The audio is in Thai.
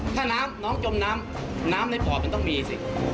ถ้าน้ำน้องจมน้ำน้ำในปอดมันต้องมีสิ